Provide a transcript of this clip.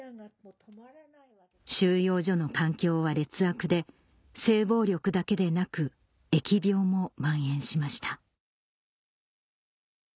収容所の環境は劣悪で性暴力だけでなく疫病も蔓延しました